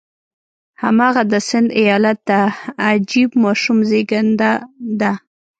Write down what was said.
هماغه د سند ایالت د عجیب ماشوم زېږېدنه ده.